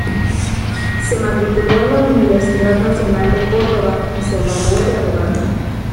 Se matriculó en la Universidad Nacional de Córdoba, y se graduó de abogado.